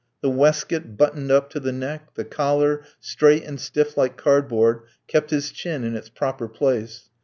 The waistcoat buttoned up to the neck, the collar, straight and stiff like cardboard, kept his chin in its proper place.